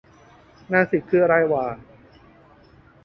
นาสิกคืออะไรหว่า